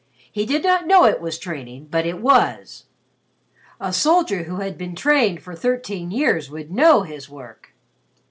He did not know it was training, but it was. A soldier who had been trained for thirteen years would know his work."